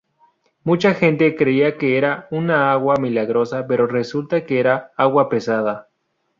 Mucha gente creía que era una agua milagrosa pero resulta que era agua pesada.